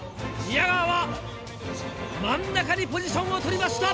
宮川は真ん中にポジションを取りました。